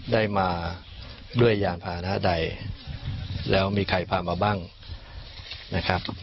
ได้มาด้วยยานพานะใดแล้วมีใครพามาบ้างนะครับ